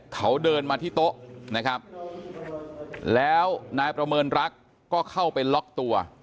เขาเดินมาที่โต๊ะนะครับแล้วนายประเมินรักก็เข้าไปล็อกตัว